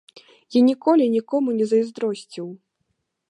Я ніколі нікому не зайздросціў.